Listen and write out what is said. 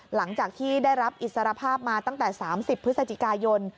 หลังจากที่ได้รับอิสรภาพมาตั้งแต่๓๐พฤศจิกายน